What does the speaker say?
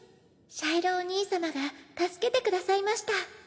シャイロおにいさまが助けてくださいました。